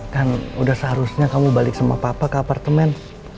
kan udah seharusnya kamu balik sama papa ke apartemen